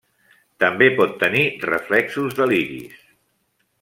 També pot tenir reflexos de l'iris.